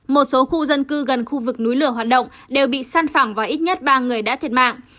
một số khu dân cư gần khu vực núi lửa hoạt động đều bị săn phẳng và ít nhất ba người đã thiệt mạng